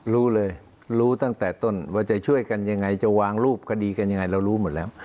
รู้เลยรู้ตั้งแต่ต้นว่าจะช่วยกันยังไงจะวางรูปคดีกันยังไงเรารู้หมดแล้ว